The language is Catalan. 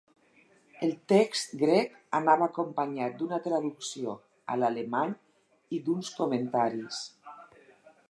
El text grec anava acompanyat d'una traducció a l'alemany i d'uns comentaris.